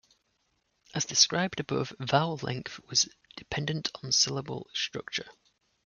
As described above, vowel length was dependent on syllable structure.